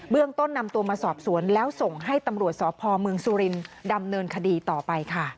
ต้นนำตัวมาสอบสวนแล้วส่งให้ตำรวจสพเมืองสุรินดำเนินคดีต่อไปค่ะ